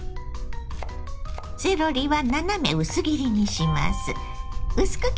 セロリは斜め薄切りにします。